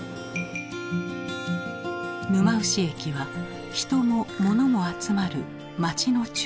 沼牛駅は人も物も集まる町の中心地。